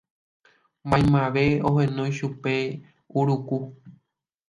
maymave ohenói chupe Uruku